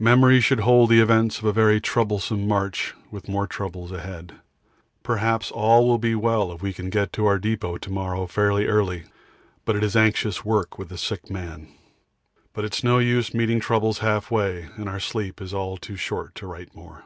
Memory should hold the events of a very troublesome march with more troubles ahead. Perhaps all will be well if we can get to our depot to morrow fairly early, but it is anxious work with the sick man. But it's no use meeting troubles half way, and our sleep is all too short to write more.